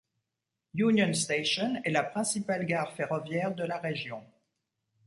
Union Station est la principale gare ferroviaire de la région.